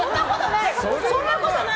そんなことない！